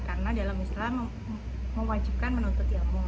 karena dalam islam mewajibkan menuntut ilmu